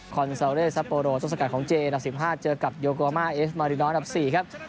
คอนซาวเลสซาโปโรต้นสกัดของเจนัด๑๕เจอกับโยโกามาเอฟมารินอลนัด๔ครับ